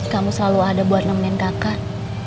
kamu selalu ada buat nemenin kakak